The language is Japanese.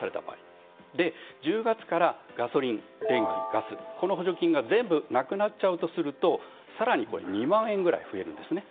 １０月からガソリン・電気・ガスのこの補助金が全部なくなっちゃうとすると更に２万円ぐらい増えるんですね。